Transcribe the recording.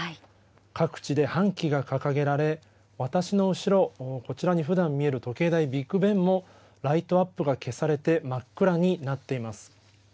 各地で半旗が掲げられ、私の後ろ、こちらにふだん見える時計台、ビッグ・ベンもライトアップが消されて真っ暗になっています。